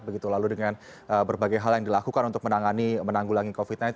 begitu lalu dengan berbagai hal yang dilakukan untuk menanggulangi covid sembilan belas